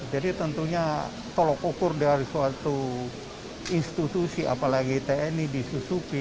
tentunya tolok ukur dari suatu institusi apalagi tni disusupi